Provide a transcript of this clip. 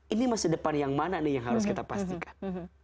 ini masa depan yang mana nih yang harus kita pastikan